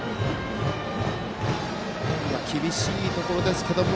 厳しいところですけども。